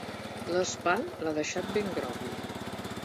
L'espant l'ha deixat ben grogui.